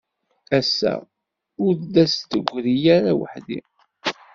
Ass-a ur d as-tegri ara weḥd-i.